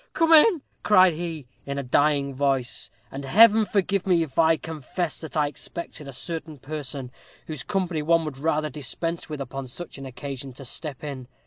'Come in,' cried he, in a dying voice; and Heaven forgive me if I confess that I expected a certain person, whose company one would rather dispense with upon such an occasion, to step in.